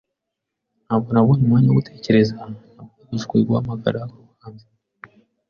Ntabwo nabonye umwanya wo gutekereza. Nabwirijwe guhamagara urubanza.